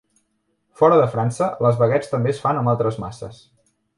Fora de França, les baguets també es fan amb altres masses.